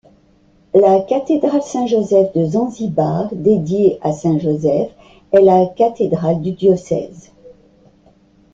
La cathédrale Saint-Joseph de Zanzibar, dédiée à saint Joseph, est la cathédrale du diocèse.